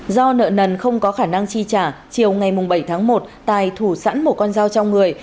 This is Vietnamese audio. do nợ nần không có khả năng chi trả chiều ngày bảy tháng một tài thủ sẵn một con dao trong người